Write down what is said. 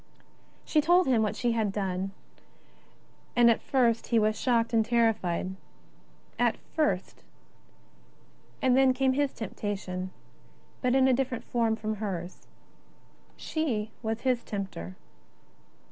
She told him what she had done, and at first he was shocked and terrified. At first — and then came his temptation, but in a different form from hers. She was his tempter.